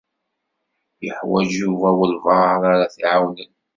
Yuḥwaǧ Yuba walebɛaḍ ara t-iɛawnen.